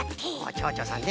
ちょうちょさんね。